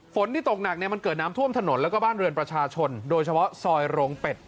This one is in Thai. ฝนที่ตกหนักเนี่ยมันเกิดน้ำท่วมถนนแล้วก็บ้านเรือนประชาชนโดยเฉพาะซอยโรงเป็ด